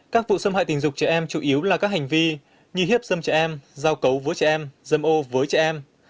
các vụ xâm hại tình dục trẻ em chủ yếu là các hành vi như hiếp dâm trẻ em giao cấu với trẻ em dâm ô với trẻ em